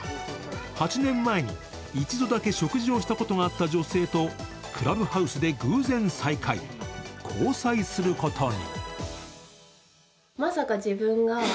８年前に１度だけ食事をしたことがあった女性とＣｌｕｂｈｏｕｓｅで偶然再会、交際することに。